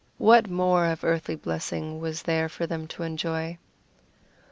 What more of earthly blessing was there for them to enjoy?